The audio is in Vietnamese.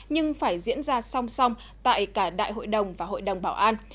nhưng phải diễn ra song song tại cả đại hội đồng và hội đồng bảo an